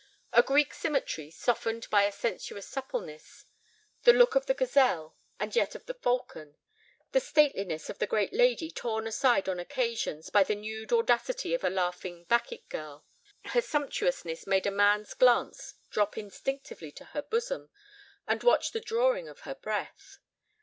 A Greek symmetry softened by a sensuous suppleness; the look of the gazelle, and yet of the falcon; the stateliness of the great lady torn aside on occasions by the nude audacity of a laughing Bacchic girl. Her sumptuousness made a man's glance drop instinctively to her bosom and watch the drawing of her breath.